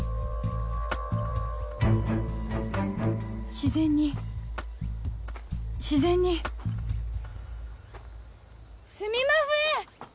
自然に自然にすみまふぇん！